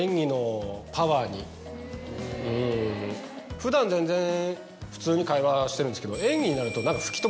普段全然普通に会話してるんですけど。